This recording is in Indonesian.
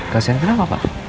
kasian kenapa pak